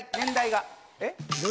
えっ？